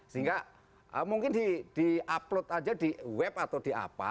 sehingga mungkin di upload aja di web atau di apa